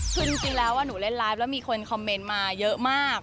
คือจริงแล้วหนูเล่นไลฟ์แล้วมีคนคอมเมนต์มาเยอะมาก